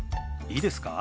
いいですか？